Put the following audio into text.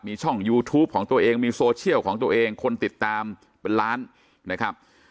มีช่องยูทูปของตัวเองมีโซเชียลของตัวเองคนติดตามเป็นล้านนะครับ